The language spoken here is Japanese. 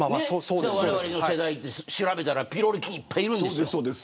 われわれの世代って、調べたらピロリ菌いっぱいいるんですよ。